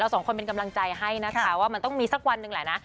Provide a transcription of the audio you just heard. สองคนเป็นกำลังใจให้นะคะว่ามันต้องมีสักวันหนึ่งแหละนะ